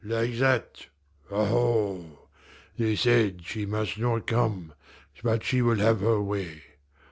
"Like that aho! They said she must not come, but she will have her way.